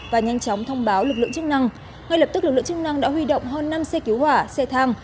và nhanh chóng thông báo lực lượng chức năng ngay lập tức lực lượng chức năng đã huy động hơn năm xe cứu hỏa xe thang